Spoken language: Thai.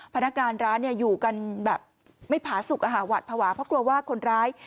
พนักงานร้านอยู่กันแบบไม่ผาสุกหวัดภาวะเพราะกลัวว่าคนร้าย